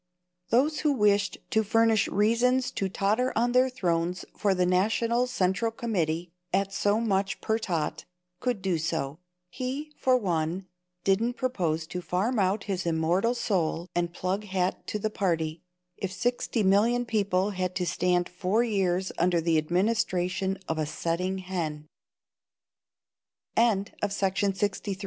Those who wished to furnish reasons to totter on their thrones for the National Central Committee at so much per tot, could do so; he, for one, didn't propose to farm out his immortal soul and plug hat to the party, if sixty million people had to stand four years under the administration of a setting hen. Spri